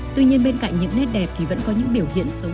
tuy nhiên bên cạnh những nét đẹp thì vẫn có những biểu hiện xấu